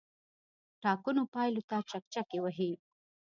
ټاکنو پایلو ته چکچکې وهي.